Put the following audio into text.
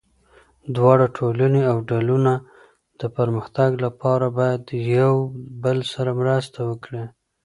دواړه ټولني او ډلونه د پرمختګ لپاره باید یو بل سره مرسته وکړي.